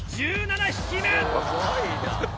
１７匹目！